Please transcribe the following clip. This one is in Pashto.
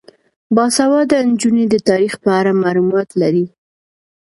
باسواده نجونې د تاریخ په اړه معلومات لري.